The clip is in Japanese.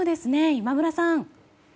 今村さん。